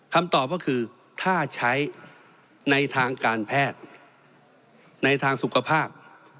คำตอบก็คือถ้าใช้ในทางการแพทย์ในทางสุขภาพ